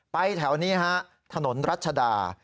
แถวนี้ฮะถนนรัชดา